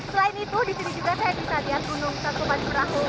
selain itu disini juga saya bisa lihat gunung sankuman perahu